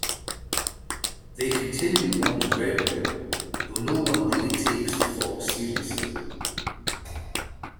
They continue on to Redwall, though no one really takes the fox seriously.